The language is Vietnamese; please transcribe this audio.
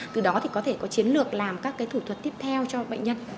từ đó có thể có chiến lược làm các thủ thuật tiếp theo cho bệnh nhân